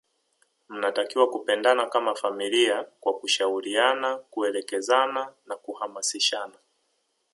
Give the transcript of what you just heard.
mnatakiwa kupendana kama familia kwa kushauriana kuelekezana na kuhamasishana